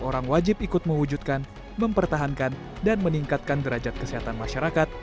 orang wajib ikut mewujudkan mempertahankan dan meningkatkan derajat kesehatan masyarakat